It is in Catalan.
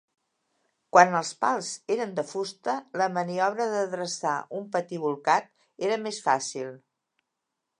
Quan els pals eren de fusta la maniobra d'adreçar un patí bolcat era més fàcil.